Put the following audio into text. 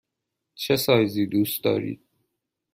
چه سایزی دوست دارید؟